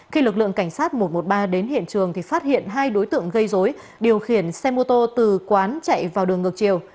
khi lực lượng cảnh sát một trăm một mươi ba đến hiện trường thì phát hiện hai đối tượng gây dối điều khiển xe mô tô từ quán chạy vào đường ngược chiều